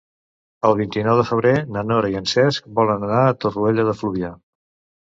El vint-i-nou de febrer na Nora i en Cesc volen anar a Torroella de Fluvià.